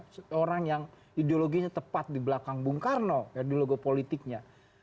seorang yang ideologinya tepat di belakang bung karno di logo politiknya